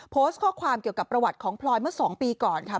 โพสต์ข้อความเกี่ยวกับประวัติของพลอยเมื่อ๒ปีก่อนค่ะ